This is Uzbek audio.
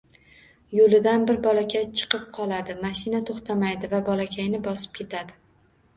Yoʻlidan bir bolakay chiqib qoladi, mashina toʻxtamaydi va bolakayni bosib ketadi.